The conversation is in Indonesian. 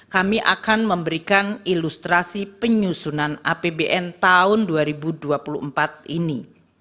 kami akan memberikan ilustrasi penyusunan apbn tahun dua ribu dua puluh empat ini